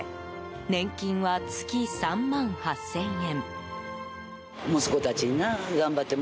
年金は月３万８０００円。